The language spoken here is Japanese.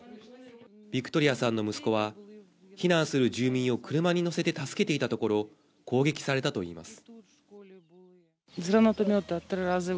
ビクトリアさんの息子は避難する住民を車に乗せて助けていたところ、攻撃されたといいます。